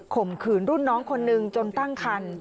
ข่มขืนรุ่นน้องคนนึงจนตั้งคัน